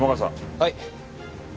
はい。